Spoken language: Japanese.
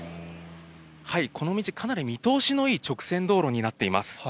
この道、かなり見通しのいい直線道路になっています。